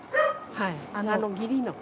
はい。